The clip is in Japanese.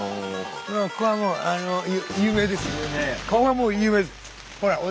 ここはもう有名ですよ。